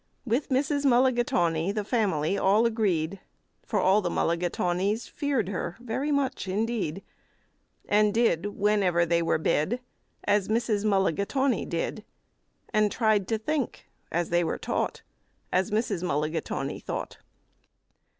With Mrs. Mulligatawny the family all agreed, For all the Mulligatawnys feared her very much indeed, And did, whenever they were bid, As Mrs. Mulligatawny did, And tried to think, as they were taught, As Mrs. Mulligatawny thought.